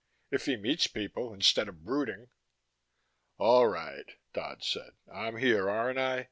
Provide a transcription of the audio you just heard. If he meets people instead of brooding." "All right," Dodd said. "I'm here, aren't I?